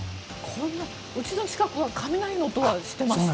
うちの近くは雷の音はしてました。